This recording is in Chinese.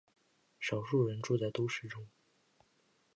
少数人住在都市中。